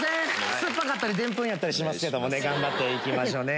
酸っぱかったりデンプンやったりしますけども頑張って行きましょね。